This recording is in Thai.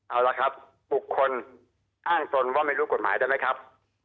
เอาละครับบุคคลอ้างตนว่าไม่รู้กฎหมายได้ไหมครับ